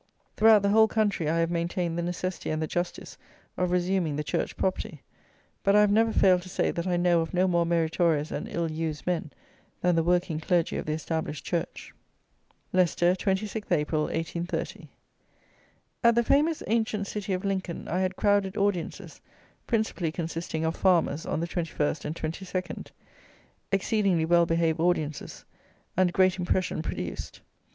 Throughout the whole country I have maintained the necessity and the justice of resuming the church property; but I have never failed to say that I know of no more meritorious and ill used men than the working clergy of the established church. Leicester, 26th April 1830. At the famous ancient city of Lincoln I had crowded audiences, principally consisting of farmers, on the 21st and 22nd; exceedingly well behaved audiences; and great impression produced.